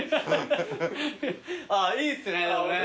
いいっすね。